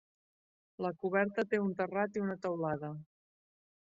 La coberta té un terrat i una teulada.